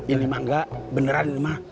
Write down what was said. ini mah enggak beneran ini mah